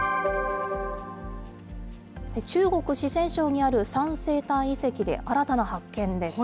中国・四川省にある三星堆遺跡で、新たな発見です。